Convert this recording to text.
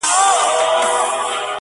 د رنجو په نامه په کې ور اچولي دي